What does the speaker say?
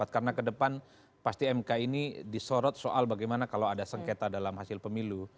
karena ke depan pasti mk ini disorot soal bagaimana kalau ada sengketa dalam hasil pemilu